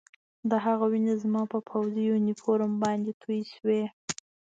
د هغه وینې زما په پوځي یونیفورم باندې تویې شوې